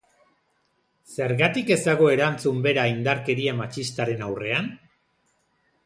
Zergatik ez dago erantzun bera indarkeria matxistaren aurrean?